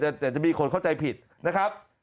เดี๋ยวจะมีคนเข้าใจผิดนะครับ